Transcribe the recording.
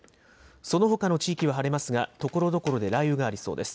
そのほかの地域は晴れますがところどころで雷雨がありそうです。